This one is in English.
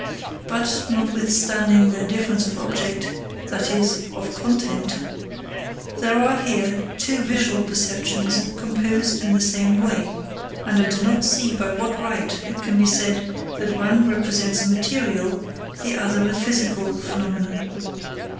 But, notwithstanding their difference of object that is, of content there are here two visual perceptions composed in the same way; and I do not see by what right it can be said that one represents a material, the other a physical, phenomenon.